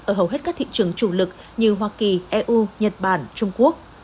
ở hầu hết các thị trường chủ lực như hoa kỳ eu nhật bản trung quốc